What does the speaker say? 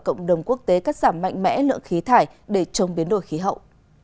cộng đồng quốc tế cắt giảm mạnh mẽ lượng khí thải để chống biến đổi khí hậu